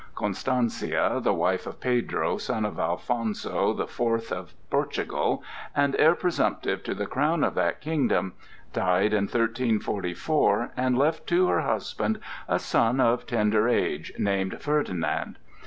Constancia, the wife of Pedro, son of Alfonso the Fourth of Portugal, and heir presumptive to the crown of that kingdom, died in 1344, and left to her husband a son of tender age, named Ferdinand.